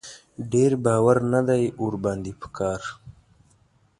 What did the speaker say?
ډېر باور نه دی ور باندې په کار.